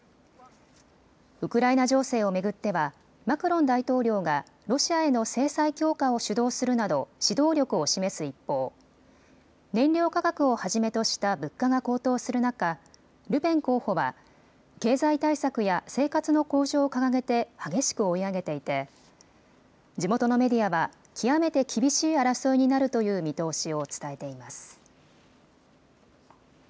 ウクライナ情勢を巡ってはマクロン大統領がロシアへの制裁強化を主導するなど指導力を示す一方、燃料価格をはじめとした物価が高騰する中、ルペン候補は経済対策や生活の向上を掲げて激しく追い上げていて地元のメディアは極めて厳しい争いになるという見通しを伝えています。